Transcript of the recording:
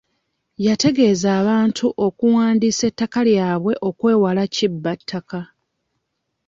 Yategeeza abantu okuwandiisa ettaka lyabwe okwewala kibba ttaka.